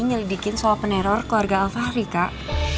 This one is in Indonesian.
nyelidikin soal peneror keluarga alva hari kak